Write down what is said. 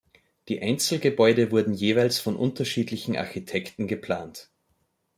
Die Einzelgebäude wurden jeweils von unterschiedlichen Architekten geplant.